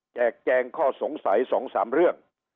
แจงข้อสงสัย๒๓เรื่อง